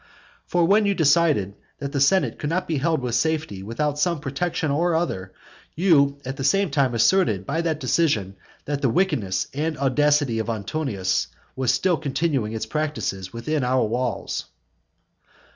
For when you decided that the senate could not be held with safety without some protection or other, you at the same time asserted by that decision that the wickedness and audacity of Antonius was still continuing its practices within our walls.